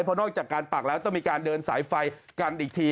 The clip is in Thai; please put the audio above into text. เพราะนอกจากการปักแล้วต้องมีการเดินสายไฟกันอีกที